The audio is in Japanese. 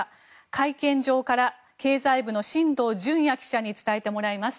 会見場から経済部の進藤潤耶記者に伝えてもらいます。